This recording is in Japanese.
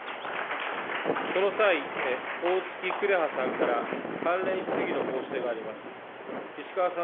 この際、おおつき紅葉さんから関連質疑の申し出があります。